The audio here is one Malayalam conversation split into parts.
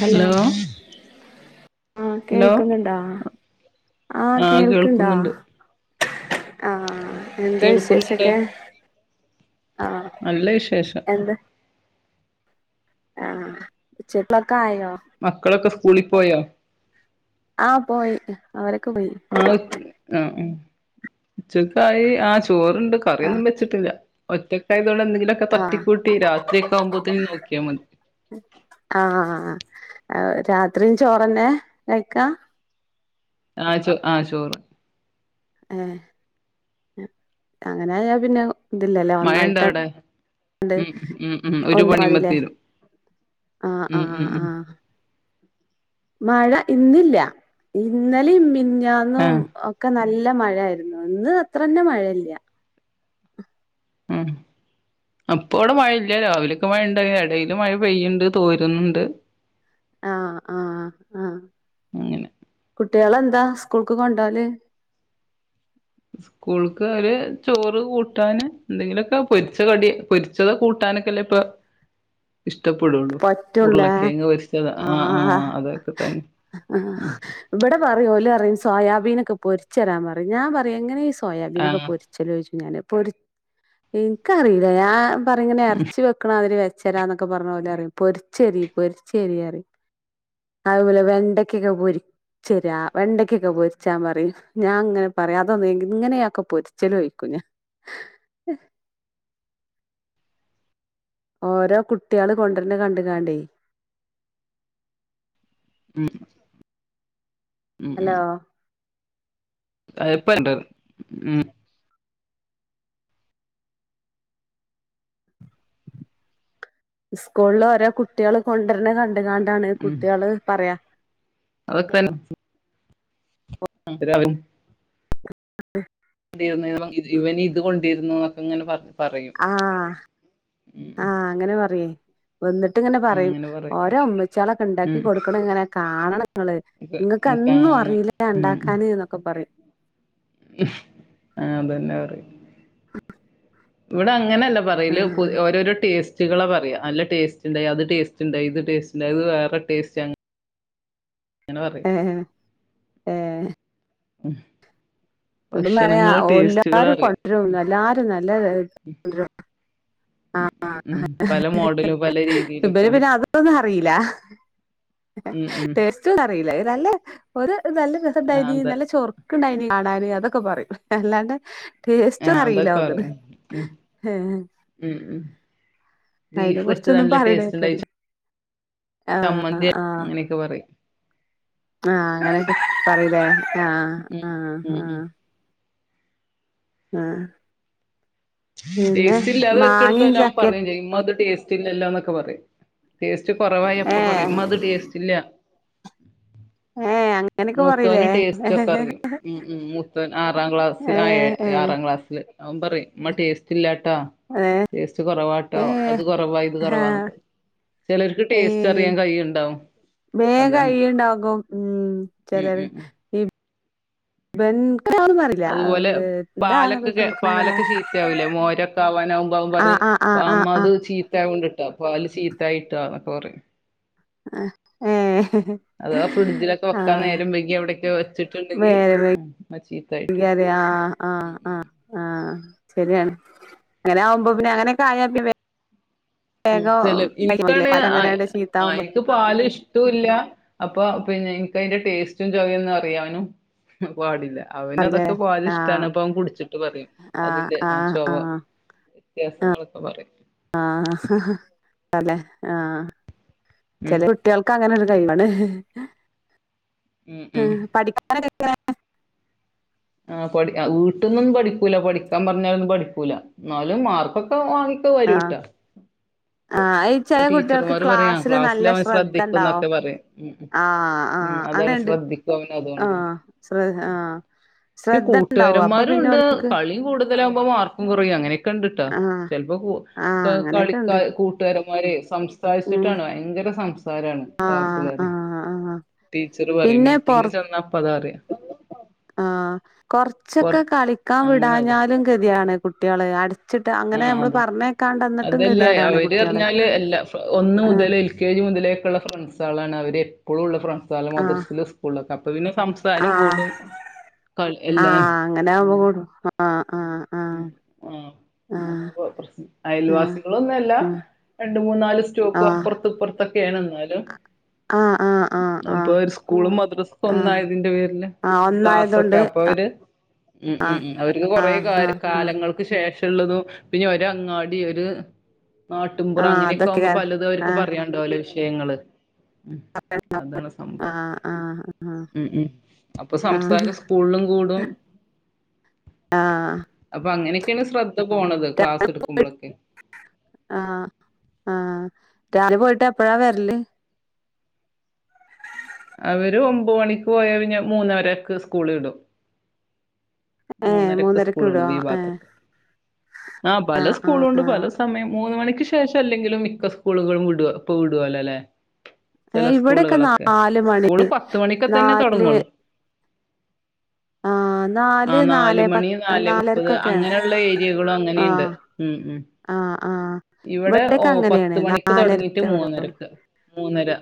ഹലോ ആഹ് ഹലോ കേൾക്കുന്നുണ്ടോ ആഹ് കേൾക്കുണ്ടോ ആഹ് എന്താ കേൾക്കുന്നുണ്ട് വിശേഷൊക്കെ ആഹ് നല്ല വിശേഷം എന്ത് ആഹ് ഉച്ചക്കലേക്ക് ആയോ മക്കളൊക്കെ സ്കൂളിൽ പോയോ ആഹ് പോയി അവരൊക്കെ പോയി ആഹ് ആഹ് ഉച്ചക്കായി ആഹ് ചോറുണ്ട് ആ കറിയൊന്നും വെച്ചിട്ടില്ല ഒറ്റ ക്കായതോണ്ട് എന്തെങ്കിലൊക്കെ ആ തട്ടിക്കൂട്ടി രാത്രി ഒക്കെ ആവുമ്പോത്തേക്ക് നോക്കിയാൽ മതി ആഹ് രാത്രിയും ചോറന്നെ കഴിക്കുക ആഹ് ചോ ആഹ് ചോറ് ആഹ് അങ്ങനായാ പിന്നെ ഇതില്ലല്ലേ മഴയുണ്ടോ അവിടെ ഒന്നായിട്ട്ണ്ട് ഉം ഉം ഉം ഒരു ഒന്ന് പണിയുമ്പോ മതില്ലേ തീരും ആഹ് ഉം ഉം ആഹ് ഉം ആഹ് മഴ ഇന്നില്ല ഇന്നെലേം മിനിഞ്ഞാന്നും ആഹ് ഒക്കെ നല്ല മഴ ആയിരുന്നു ഇന്ന് അത്ര തന്നെ മഴയില്ല ഉം അപ്പ ഇവിടെ മഴയില്ല രാവിലെയൊക്കെ മഴണ്ട് എടേൽ മഴ പെയ്യുണ്ട് തോരുന്നുണ്ട് ആഹ് ആഹ് ആഹ് അങ്ങനെ കുട്ടികളെന്താ സ്കൂൾക്ക് കൊണ്ടോല് സ്കൂൾക്ക് ഓര് ചോറ് കൂട്ടാന് എന്തെങ്കിലൊക്കെ പൊരിച്ച കടി പൊരിച്ചത് കൂട്ടാനൊക്കെല്ലേ ഇപ്പൊ ഇഷ്ടപ്പെടൊള്ളു പറ്റുള്ളേ ഉരുളകിഴങ്ങ് പൊരിച്ചത് ആഹ് ആഹ് അതൊക്കെ തന്നെ അ ആഹ് ഉം ഇബടെ പറയും ഓല് അറിയും സോയാബീനൊക്കെ പൊരിച് തരാൻ പറയും ഞാൻ പറയും എങ്ങനെ ഈ ആ സോയാബീനക്കെ പൊരി ച്ചലോയിച്ചു ഞാന് പൊരി ഇൻക്കറിയില്ല ഞാൻ പറയും ഇങ്ങനെ ഉം ഇറച്ചി വെക്കണ മാതിരി വെ ച്ചരാന്നൊക്കെ പറഞ്ഞ ഓലറിയും പൊരിച്ചെരി പൊരിച്ചെരി അറിം അതുപോലെ വെണ്ടക്കൊക്കെ പൊരിച്ചരാ വെണ്ടക്കൊക്കെ പൊരിച്ചാ പറയും ഞാൻ ഇങ്ങനെ പറയും അതൊന്നും എങ്ങനെയ അഹൊക്കെ പൊരിച്ചലോഴിക്കും ഞാൻ ഓരോ കുട്ട്യാള് കൊണ്ടരണ കണ്ട്ങ്ങാണ്ടേ ഉം ഹലോ എള്പ്പണ്ട് ഉം ഇസ്കൂളിൽ ഓരോ കുട്ടികൾ കൊണ്ടുവരണ കണ്ട്ങ്ങാണ്ടാണ് കുട്ടികള് പറയാ അതൊ [unintelligible] [unintelligible] [unintelligible] [unintelligible] ഇവനി ഇത് കൊണ്ടിരുന്നു എന്നൊക്കെ ഇങ്ങനെ പറഞ്ഞു ആഹ് ആഹ് അങ്ങനെ പറയോയ് വന്നിട്ട്ങ്ങനെ പറയും അങ്ങനെ പറയും ഓരോ ഉമ്മിച്ചാളൊക്കെ ഉണ്ടാക്കി കൊടുക്കണ ഇങ്ങനെ കാണണം ഇങ്ങള് ഉം ഇങ്ങക്കൊന്നും കാണണം അറിയില്ല ഉണ്ടാക്കാന് ന്നൊക്കെ പറയും ഉം അതന്നെ പറയും ഇവടെ അങ്ങനല്ല പറയല് ആഹ് ഓരോരോ ടേസ് ട്ടികള പറയാ നല്ല ടേസ്റ്റ് ഉണ്ടായി അത് ടേസ്റ്റ്ണ്ടായി ഇത് ടസ്റ്റ് ഉണ്ടായി ഇത് വേറെ ടേസ്റ്റ് ങ്ങനെ പറയും ഏഹ് ഏഹ് ഉം ഇബൻ പറയാ എല്ലാരും കൊണ്ടരും എല്ലാരും നല്ല ആഹ് ഉം. പല ആഹ് മോഡലും പല ഇബന് രീതിയിലൊക്കെ. പിന്നെ അതൊന്നും അറിയില്ല ഉം, ഉം. ടേസ്റ്റ് ഒന്നും അറിയില്ല നല്ല ഒരു നല്ല ആഹ് രസണ്ടായിനി അതെ. നല്ല ചൊർ ക്ക്ണ്ടായിനി കാണാന് അതൊക്കെ പറയും അല്ലാണ്ട് ടേസ്റ്റ് ആഹ് ഒന്നും അറിയില അതൊക്കെ തോന്നണ് പറയും. ഉം. ഏഹ് ഉം ഉഉം അയിനെ ബീഫ് വെച്ചത് കുറിച്ചൊന്നും നല്ല പറയണ ടേസ്റ്റ് ഉണ്ടായോ കേക്കല്ല ച ചമ്മന്തി ആഹ് ആഹ് അങ്ങനെയൊക്കെ പറയും ആഹ് അങ്ങനെക്കെ പറയുല്ലേ ആഹ് ഉം. ആഹ് ഉം, ഉം. ആഹ് ആഹ് പിന്നെ ടേസ്റ്റ് ഇല്ലാതെ മാങ്ങിം വെച്ചെടുത്താൽ അവൻ ചക്കിം പറയും ചെയ്യും ഇമ്മ ഇത് ടേസ്റ്റ് ല്ലല്ലോന്നൊക്കെ പറയും ടേസ്റ്റ് കുറവായ അപ്പ ഏഹ് പറയും ഇത് ടേസ്റ്റ് ഇല്ല ഏഹ് അങ്ങനെയൊക്കെ പറയിലേ മൂത്തവന് ടേസ്റ്റ് ഒക്കെ അറിയും ഉം ഉം മൂത്തവൻ ആറാം ക്ലാസ്സിൽ ആ ഏഹ് ഏഹ് ആറാം ക്ലാസ്സില് അവൻ പറയും ഇമ്മ ടെസ്റ്റില്ലാട്ടോ ടേസ്റ്റ് കുറവാട്ടോ ഏഹ് അത് കൊറവാ ഇത് കൊറവാ ആഹ് ന്നൊക്കെ ചെലർക്ക് ടേസ്റ്റ് അറിയാൻ കഴിണ്ടാവും വേം കഴിണ്ടാവും ഉം ഉം ചെലര് ഉം ഉം [inaudible] അതുപോലെ എന്താന്നൊക്കെ പാലക്കൊക്കെ ചോദിക്കുമ്പല്ലാതെ പാലൊക്കെ ശീത്ത ആവലേ മോരൊക്കെ ആവാനാവുമ്പ ആതും ആഹ് പറിം ആഹ് അപ്പ ആഹ് അമ്മ അത് ആഹ് ചീത്താവുണ്ട് ട്ടോ പാല് ചീത്തായിട്ട എന്നൊക്കെ പറിം ആഹ് ഏഹ് അതവ ഫ്രിഡ്ജിലൊക്കെ വെക്കാൻ ആഹ് നേരം വൈകി അവിടെക്കെ വെച്ചിട്ടുണ്ടെങ്കിൽ നേരം ഉം ചീത്തായിട്ടു വൈകിയാല് ആഹ് ആഹ് ആഹ് ആഹ് ശരിയാണ് അങ്ങനെ ആവുമ്പോ പിന്നെ അങ്ങനെയാ പി ഉം ചെല ഇതാക്കില്ലേ ഇനിക്കാണ് പല അങ്ങനെയാണ്ട് അ ചീത്താവുമ്പോ ഇനിക്ക് പാല് ഇഷ്ട്ടോല്ല അപ്പൊ പിന്നെ ഇൻക്ക് അതിന്റെ ടേസ്റ്റും ചൊവന്ന് അറിയാനും പാടില്ല അറില്ലേ അവനതോക്കെ പാല് ആഹ് ഇഷ്ടാണ് അപ്പൊ അവൻ കുടിച്ചിട്ട് പറയും ആഹ് അതിന്റെ ആഹ് ചൊവ ആഹ് വ്യത്യാസങ്ങളൊക്കെ പറിം ആഹ് തലെ ഉം. ആഹ്ചെലെ കു കുട്ട്യായൾക്ക് അങ്ങനെരു കൈവാണ് ഉം ഉം. പഠിക്കാനക്കെ എങ്ങനെ ആ പഠി വീട്ടിൽന്നൊന്നും പഠിക്കൂില്ല പഠിക്കാൻ പറഞ്ഞാലൊന്നും പഠിക്കൂല ഇന്നാലും മാർക്കൊക്കെ വാങ്ങി ഇപ്പ ആഹ് വരൂട്ടോ ആഹ് ഈ ചില ഇപ്പൊ കുട്ടികൾക്ക് ടീച്ചർമാര് പറയാ ക്ലാസ്സില് നല്ല ക്ലാസ്സില അവൻ ശ്രദ്ധ ഉണ്ടാവും ശ്രദ്ധിക്കുന്നൊക്കെ പറയും ഉം ഉ ആഹ് ഉം അതാണ് ശ്രദ്ധിക്കുഅവന് അതുകൊണ്ട് ശ്രദ്ധ ആഹ് ശ്രദ്ധ ഉണ്ടാവും അപ്പൊ പിന്നെ കൂട്ടുകാരന്മാരുുംണ്ട് ഓൽക്ക് കളി കൂടുതലാകുമ്പോ മാർക്കും കോറയും അങ്ങനെ ക്കണ്ട്ട്ടോ ആഹ് ചലപ്പോ കൂ ആഹ് കളി അങ്ങനെയൊക്കെ ഉണ്ട് കുട്ടുകരന്മാര് സംസാരിച്ചിട്ടാണ് ഭയങ്കര സംസാരമാണ് ആഹ് ക്ലാസ്സിലതെ ആഹ് ആഹ് ടീച്ചറ് പറിം പിന്നെ പൊറ മീറ്റിംങ് ചെന്നപ്പ അതാ അറിയാം ആഹ് പുറ കൊറച്ചൊക്കെ കളിക്കാൻ അങ്ങനെ അത് വിടാഞ്ഞാലും ഗതിയാണ് കുട്ട്യാള് അട് ആഹ് അത് അതല്ല ഗതികേടാണ് അവര് കുട്ട്യാള് അറിഞ്ഞാല് എല്ല ഒന്ന് ആഹ് മുതല് എ ജി മുതലേക്കുള്ള ഫ്രണ്ട്സ് ആളാണ് അവര്പ്പോഴും ഉള്ള ഫ്രണ്ട്സ ആ ആഹ് മദ്രസൽ സ്കൂളിലൊക്കെ അപ്പ പിന്നെ പാലും ആഹ് കൂടും കൽ എല്ലാൻ ആഹ് ആവുമ്പോ അങ്ങനെ കൂടും ആഹ് ആഹ് ഉം ആഹ് ആഹ് അതപ്രശ്നം അയൽവാസികളൊന്നുല്ല രണ്ട് മുന്നാല് സ്റ്റോപ്പ് ആഹ് അപ്പറത്ത്പ്പുറത്തൊക്കെ ക്കെണ് ഇന്നാലും ആഹ് ആഹ് ആഹ് ആഹ് ആഹ് ആഹ് അപ്പൊ ആഹ് ഒരു സ്കൂളും മദ്രസ ആഹ് ഒന്നയതിന്റെ പേരില് ആഹ് ക്ലാസ്സൊക്കെ ഒന്നായതൊണ്ട് അപ്പൊ അവര് ഉം ആഹ് ഉം അവര് കൊറ ആഹ് ആഹ് കര് ആഹ് കാലങ്ങൾ ക്ക് ശേഷംള്ളതു പിന്നെ ഒരങ്ങാടി ഒരു നാട്ടുപുറം ആഹ് അങ്ങനെയൊക്കെ ആകുമ്പോ അതൊക്കെകാരം പലതും അവർക്ക് ആഹ് പറയണ്ടവൂല്ലോ വിഷയങ്ങള് ഉം അതാണ് സംഭവം ആഹ് ആഹ് ഉം ഉം ഇപ്പൊ ആഹ് സംസാരം സ്കൂളിലും കൂടും ആഹ് അപ്പൊ അങ്ങനെയൊക്കെണ് ശ്രദ്ധ പോണത് ക്ലാസ് രാവിലെ ഇ പോയി ടുക്കുമ്പോളോക്കെ ആഹ് ആഹ് രാവിലെ പോയിട്ട് എപ്പഴാ വരല് [unintelligible] അവര് ഒമ്പ് മണിക്ക് പോയാ പിന്നെ മൂന്നരക് സ്കൂള് വിടും ഏഹ് മൂന്നരക് മൂന്നരക്ക് വിടോ സ്കൂളുടും ഇ ഏഹ് ഭാഗത്തൊക്കെ ആഹ് പല ആഹ് സ്കൂളുണ്ട് പല ആഹ് സമയം മൂന്ന് മണിക്ക് ശേഷം അല്ലെങ്കിലും മിക്ക സ്കൂളുകളും വിടാ ഇപ്പ വിടോലോ അല്ലെ ചല ഇവിടെക്കെ സ്കൂളുകളൊക്കെ നാല് മണി സ്കൂള് പത്ത് മണിക്ക തന്നെ നാല് തോടങ്ങുള്ളൂ ആഹ് ആഹ് ആ ന്നാല് നാല് മണി ന്നാലെപത് നാല് മുപ്പത് ന്നാലര്ക്കൊക്കെണ് അങ്ങനെയുള്ള ഏരിയകളും അങ്ങനെയുണ്ട് ആഹ് ആഹ് ആഹ് ഇവടെ ഇവിടെക്കെ ഓഹ് അങ്ങനെയാണ് പത്ത് മണിക്ക് തോടങ്ങീട്ട് നാലരക്കെ വിടും മൂന്നരക്ക് മൂന്നര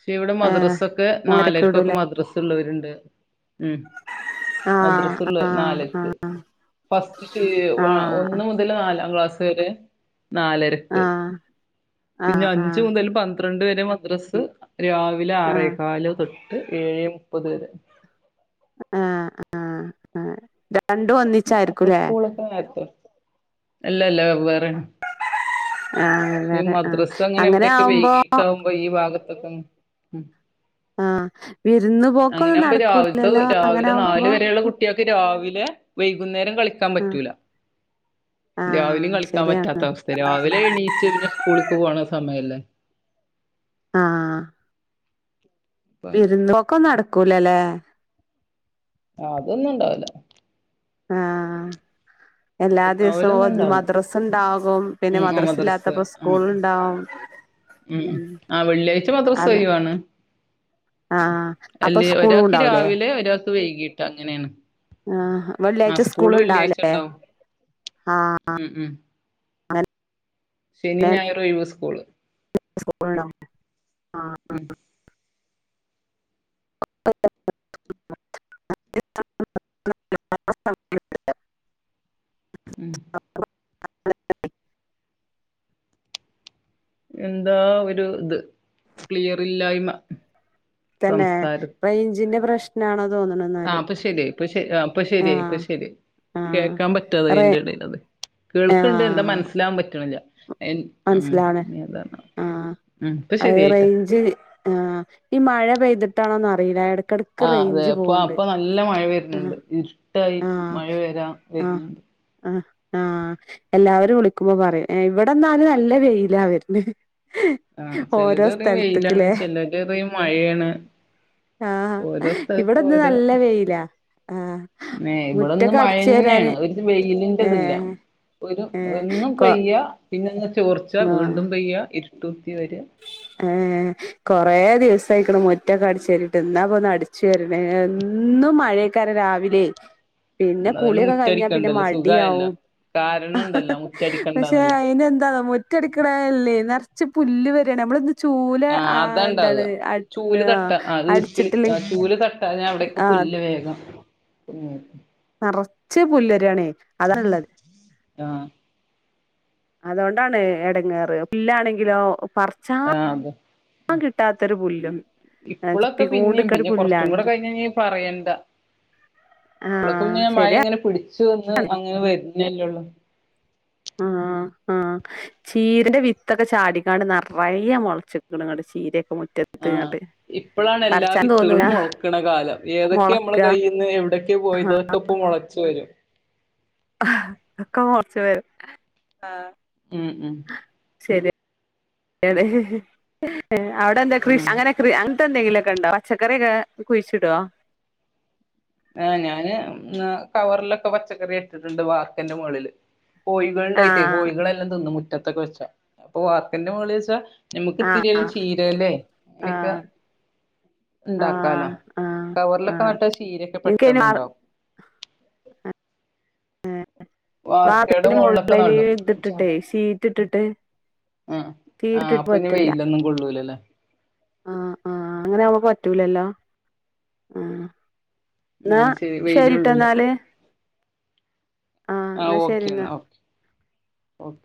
പഷെ ഇവടെ ഏഹ് മദ്രസൊക്കെ മൂന്നരക്ക് ന്നാലര്ക്കൊക്കെ വിടൂലേ മദ്രസ് ഇള്ളവര്ണ്ട് ഉം ആഹ് ആഹ് ന്നാലര്ക്ക് ഫസ്റ്റ് ശീ ആഹ് ഒന്ന് മുതല് ന്നാലാം ക്ലാസ് വരെ ആഹ് ന്നാലരക്ക് ആഹ് പിന്നെ അഞ്ച് ആഹ് മുതൽ പന്ത്‌ ന്ത്രണ്ട് വരെ മദ്രസ് രാവിലെ ആഹ് ആറേകാല് തൊട്ട് ഏഴെ മുപ്പത് വരെ ആഹ് ആഹ് ആഹ് അപ്പൊ സ്കൂളൊക്കെ നേര്ത്തെ അല്ലല്ല വേവ്വേറേണ് ആഹ് ഇപ്പീ വേറെ ആഹ് മദ്രസഅങ്ങനെ അങ്ങനെ ഇവ്ടക്കെ ആവുമ്പോ വൈകീട്ടാവുമ്പോ ഈ ഭാഗത്തൊക്കെ ഉം ആഹ് വിരുന്ന് പോക്കൊന്നും അങ്ങനാവുമ്പോ രാവിൽത്തത് നടക്കൂലല്ലോ അങ്ങനെ രാവിലെ ന്നാല് ആവുമ്പോ വരേള്ള കുട്ട്യാക്ക് രാവിലെ വൈ വൈകുന്നേരം കളിക്കാൻ ആഹ് പറ്റൂല ആഹ് രാവിലിം കളിക്കാൻ പറ്റാത്ത ശരിയാണ് അവസ് സ്ഥ രാവിലെ എണീച്ച് പിന്നെ ഉസ്കൂളി പോവാണ് സമയല്ലാ ആഹ് അപ്പം വിരുന്ന് പോക്കൊന്നും ന്നടക്കൂലല്ലേ ആഹ് അതൊന്നുംണ്ടാവൂലാ ആഹ് എല്ലാ ദിവസവും വിരുന്നോവലൊന്നും മദ് ഉണ്ടാവൂല മദ്രസ്ണ്ടാവും പിന്നെ ഉം ആ മദ്രസ് മദ്രസ ഇല്ലാത്തപ്പോ ഉം സ്കൂള്ണ്ടാവും ഉം ആഹ് വെള്ളിയാഴ്ച അത് മദ്രസൊയിവാണ് ആഹ് അപ്പൊ അല്ലേ സ്കൂളും ഒരാക്ക് ഉണ്ടാവൂലേ രാവിലെ ഒരാക്ക് വൈകീട്ട് അങ്ങനേണ് ആഹ് വെള്ളിയാഴ്ച സ്കൂള് ഇണ്ടാവ് ലേ ഉണ്ടാവും ആഹ് ഉം ഉം ശെനിം ഞായറും ഒഴിവ് സ്കൂള് സ്ക്കൂള്ണ്ടാവും ഉം [unintelligible] [unintelligible] ഉം [unintelligible] എന്താ ഒരു ഇത് ക്ലിയർ ഇല്ലായ്മ തന്നെ സംസാരം റേയ്ഞ്ചിന്റെ പ്രശ്നാണോ തോന്ന്ണ്ന്നാ ആഹ് ഇപ്പൊ ശെരിയായ് ഇപ്പ ശെരി ആഹ് ഇപ്പ ശരിയായ് ഇപ്പ ശെരി ആഹ് കേക്കാൻ പറ്റാതായി റേ അയിന്റെ എടേലത് കേൾക്ക്ണ്ട് എന്താ മനസ്സിലാവാൻ പറ്റ്ണില്ല മൻസിലാണ് ആഹ് ഉം ഇപ്പൊ അഅ് ശരിയായിട്ടോ റെയ്ഞ്ച് ആഹ് ഈ മഴ പെയ്തിട്ടാണോന്ന് അറീല എടക് ആഹ് അതെ ഇപ്പൊ അപ്പൊ ന്നല്ല മഴ ആഹ് വെര്ന്ണ്ട് ഇര്ട്ടായി ആഹ് മഴ വെരാം ആഹ് വെര്ന്ന്ണ്ട് ആഹ് ആഹ് എല്ലാവരും വിളിക്കുമ്പോ പറയും എഹ് ഇവടെന്നാല് ന്നല്ലാ വെയിലാ വെര്ന് ആഹ് ചെലരറിം വെയിലാണ് ചെലരറിം മഴയേണ് ആഹ് ഓരോ സ്ഥലത്ത് ഇവിടെന്ന് ഓരോ നല്ല വെയിലാ ആഹ് എഹ് ഇമ്പടെന്ന് മുറ്റൊക്കെ അടിച്ചു മഴന്നേണ് വാരാന് ഒര് വെയിലിന്റെ ഇത് ല്ല ഏഹ് ഒരു ഏഹ് ഒന്നും കൊ പെയ്യാ പിനൊന്ന് ചോർച്ച ആഹ് വീണ്ടും പെയ്യാ ഇരുട്ടുത്തി വെരാ ഏഹ് കൊറേ ദിവസായിക്ക്ണ് മുറ്റൊക്കെ അട്ച്ചോരിട്ട് ഇന്നാ പൊന്ന് അട് ച്ചോര്ണ് എന്നും മഴേക്കാരം രാവിലെയ് പിന്നെ അതുകൊണ്ട് കുളിയൊക്കെ കഴിഞ്ഞാ പിന്നെ മുറ്റടിക്കണ്ടല്ലോ സുഖായല്ലോ മടിയാവും. കാരണം ഉണ്ടല്ലോ പഷെ മുറ്റടിക്കണ്ടാന്നുള്ള അയിനെന്താന്നോ മുറ്റ് റ്റടിക്ക്ണഹ് അല്ലേയ് നർച്ച് പുല്ല് വെരാണ് ഞമ്മളൊന്ന് ചൂല് ആഹ് അതാ എന്താണ് ഇണ്ടാവുക അട് ചൂല് ആഹ് തട്ടാ ഈർക്കില് അട്ച്ചിട്ടില്ലെങ്ക് ആഹ് ചൂല് തട്ടാഞ്ഞാ അവ്ടെക്കെ പുല്ല് വേഗം ഉം ന്നെറച്ച് പുല്ല് വെരാണേയ് അതാണ്ള്ളത്. ആഹ് അതോണ്ടാണ് എടങ്ങേറ് പുല്ലാണെങ്കിലോ പർച്ചാ ആഹ് അതെ ൻ കിട്ടാത്തൊരു പുല്ലും ഇപ്പളൊക്കെ പിന്നിം ചപ്പിക്കോണ്ട്ക്കരു പിന്നെ കൊറച്ചും കൂടെ പുല്ലാണ് കഴിഞ്ഞ ഇനി പറയണ്ടാ ഇപ്പളൊക്കെ ആഹ് പിന്നെ ആ മഴ ശരിയാ ഇങ്ങനെ പിടിച്ച് വന്ന് അങ്ങനെ വെര്നല്ലേ ഒള്ളു ആഹ് ആഹ് ചീരന്റെ വിത്തൊക്കെ ചാടിക്കാണ്ട് നറയെ മൊളച്ച്ക്ക്‌ണ് ങ്ങട്ട് ചീരയൊക്കെ മുറ്റ ആഹ് ഇപ്പളാണ് എല്ലാ വിത്തുകളും തോന്നൂല മൊൾക്ക്‌ണ കാലം ഏതൊക്കെ ഞമ്മളെ മൊളക്ക കയ്യി ന്ന് എവിടെക്കേ പോയിന്ന് അതൊക്കെ ഇപ്പൊ മൊളച്ച് വെരും ഒക്കെ മൊളച്ച് വെരും ആഹ് ഉം ഉം ശരിയാ അവിടെ എന്താ കൃഷി ഉം അങ്ങനെ കൃ അങ്ങൻത്തെ എന്തെങ്കിലൊക്കെ ഇണ്ടോ പച്ചക്കറി ഒക്കെ കുഴിച്ചിടോ ആഹ് ഞാന് ഉംഹ് കവറിലൊക്കെ പച്ചക്കറി ഇട്ട്ട്ട്ണ്ട് വാർപ്പിന്റെ മോളില് കോഴികള് ഇണ്ടായിറ്റേ ആഹ് കോഴികള് എല്ലം തിന്നും മുറ്റത്തൊക്കെ വെച്ചാ അപ്പൊ വാർപ്പിന്റെ മോളില് വെച്ചാ നമ്മുക്ക് ആഹ് ഇത്തിരിയേലും ചീര എലേ അങ്ങനെക്കെ ആഹ് ഇണ്ടാക്കാലോ ആഹ് കവറിലൊക്കെ നട്ടാ ചീരൊക്കെ ക്ക്‌ ഇണ്ടാന്ന് പെട്ടെന്നുണ്ടാവും ഏ വാർക്കയുടെ വാർപ്പിന്റെ മോളിലൊക്കെ മോൾള് അയ്ന് നടും ഇത് ഇട്ടിട്ടേയ് ഷീറ്റ് ഇട്ടിട്ട് ആഹ് ഷീറ്റ് ആഹ് ഇട്ടിട്ട് അപ്പൊ ഇനി പറ്റില്ല വെയില് ഒന്നും കൊള്ളൂലല്ലേ ആഹ് ആഹ് അങ്ങനെ ആവുമ്പോ പറ്റൂലല്ലോ ഉം ന്നാ ആഹ് ശരി വെയില് ശരിട്ടോ കൊള്ളൂല ഇന്നാല് ആഹ് ഇന്നാ ശരി ഇന്നാ ഓക്ക്‌